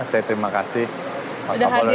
saya terima kasih pak kapolda sudah hadir